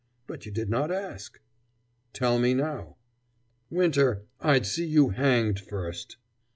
But you did not ask." "Tell me now." "Winter, I'd see you hanged first!"